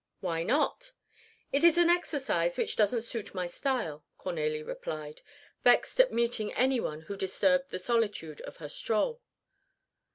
"Why not?" "It is an exercise which doesn't suit my style," Cornélie replied, vexed at meeting any one who disturbed the solitude of her stroll.